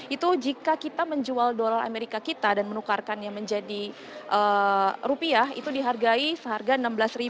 itu jika kita menjual dolar amerika kita dan menukarkannya menjadi rupiah itu dihargai seharga enam belas dua ratus tiga puluh rupiah per dolar amerika